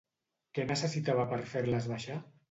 Què necessitava per fer-les baixar?